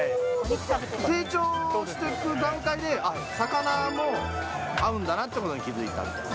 成長していく段階で、あっ、魚も合うんだなということに気付いたんですよ。